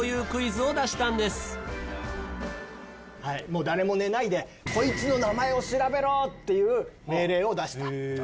「もう誰も寝ないでこいつの名前を調べろ」っていう命令を出した。